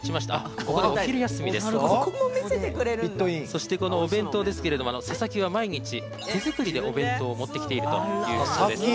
そして、このお弁当ですけども佐々木は毎日、手作りでお弁当、持ってきているということです。